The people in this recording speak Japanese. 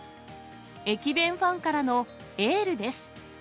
駅弁ファンからのエールです。